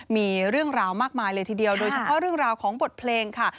มีเรื่องราวมากมายเลยทีเดียวโดยเฉพาะเรื่องราวของบทเพลงค่ะ